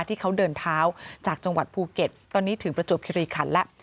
ที่เขาเดินเท้าจากจังหวัดภูเก็ตตอนนี้ถึงประจวบคิริคันแล้ว